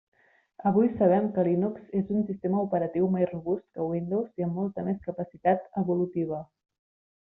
Avui sabem que Linux és un sistema operatiu més robust que Windows i amb molta més capacitat evolutiva.